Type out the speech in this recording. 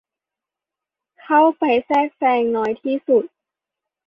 เข้าไปแทรกแซงน้อยที่สุด